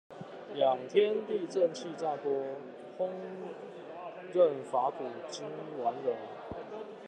養天地正氣炸鍋，烹飪法古今完人